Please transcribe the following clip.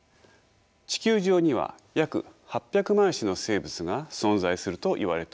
地球上には約８００万種の生物が存在するといわれております。